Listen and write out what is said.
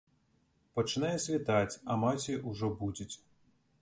Пачынае світаць, а маці ўжо будзіць.